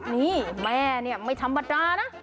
นี่แม่ไม่ธรรมดานะ